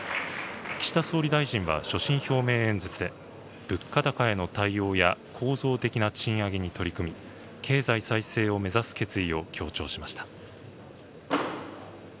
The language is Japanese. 岸田総理大臣は所信表明演説で、物価高への対応や構造的な賃上げに取り組み、経済再生を目指す決意を強調しました。